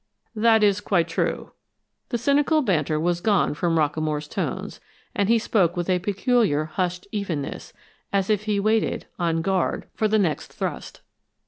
"That is quite true." The cynical banter was gone from Rockamore's tones, and he spoke with a peculiar, hushed evenness, as if he waited, on guard, for the next thrust.